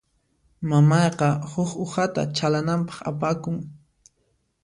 Mamayqa huk uhata chhalananpaq apakun.